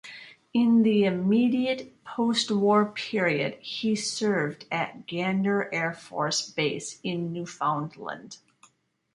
In the immediate postwar period, he served at Gander Air Force Base in Newfoundland.